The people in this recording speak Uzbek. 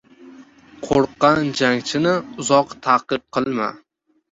• Qo‘rqqan jangchini uzoq ta’qib qilma.